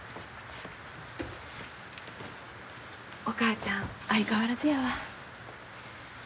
お母ちゃん相変わらずやわ。